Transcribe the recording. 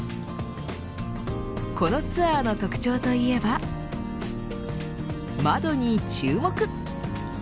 このツアーの特徴といえば窓に注目。